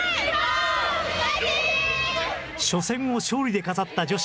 初戦を勝利で飾った女子。